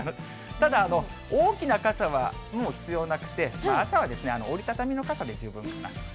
ただ、大きな傘はもう必要なくて、朝は折り畳みの傘で十分かなと。